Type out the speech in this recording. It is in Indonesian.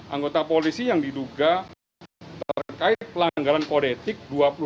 anggota polisi yang diduga terkait pelanggaran kodetik